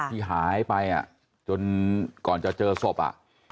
ที่หายไปอ่ะจนก่อนจะเจอศพอ่ะ